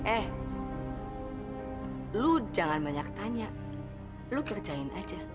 eh lu jangan banyak tanya lu kerjain aja